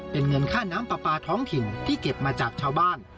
เป็นเงินค่าน้ำปลาปลาท้องถิ่นที่เก็บมาจากชาวบ้าน